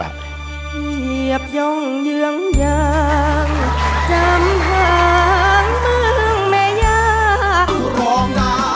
เหยียบย่องเยืองยางจำทางมึงไม่ยาก